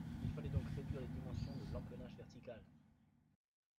Il fallait donc réduire les dimensions de l’empennage vertical.